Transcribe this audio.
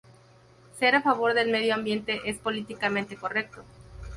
Ser a favor del medio ambiente es políticamente correcto.